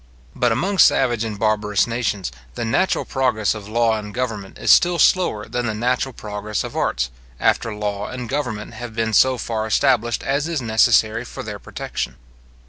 But among savage and barbarous nations, the natural progress of law and government is still slower than the natural progress of arts, after law and government have been so far established as is necessary for their protection.